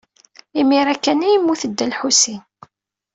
Imir-a kan ay yemmut Dda Lḥusin.